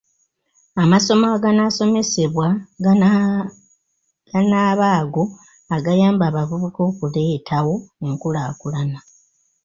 Amasomo aganaasomesebwa ganaaba ago agayamba abavubuka okuleetawo enkulaakulana.